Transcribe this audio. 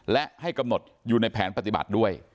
และให้กำหนดอยู่ในแผนปฏิบัติด้วย